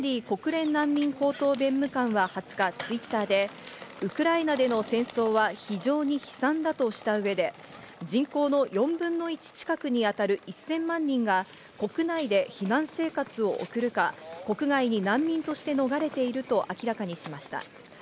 国連難民高等弁務官は２０日、Ｔｗｉｔｔｅｒでウクライナでの戦争は非常に悲惨だとした上で人口の４分の１近くに当たる１０００万人が国内で避難生活を送るか、国外に難民として逃れていると明らかにしました。